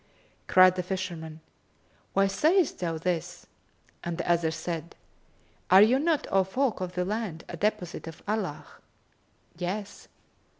Cried the fisherman, "Why sayst thou this?"; and the other said, "Are ye not, O folk of the land, a deposit of Allah?" "Yes."